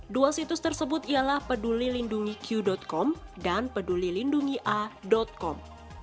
dua situs tersebut ialah pedulilindungiq com dan pedulilindungia com